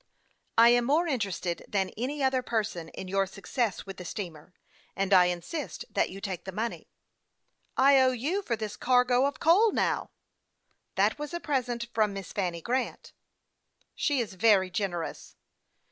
" I am more interested than any other person in 21* 246 HASTE AXD WASTE, OK your success with the steamer, and I insist that you take the money." " I owe you for this cargo of coal, now." "That was a present from Miss Fanny Grant." " She is very generous."